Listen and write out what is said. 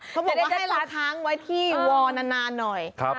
เขาบอกว่าให้เราค้างไว้ที่วอลนานหน่อย